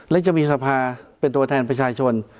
แล้วจะมีทฤษภาเป็นตัวแทนผู้ชายชน